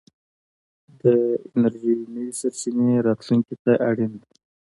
د انرژۍ نوې سرچينې راتلونکي ته اړين دي.